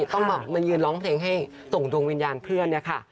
ต้องมายืนร้องเพลงให้ส่งดวงวิญญาณเพื่อนเนี่ยค่ะ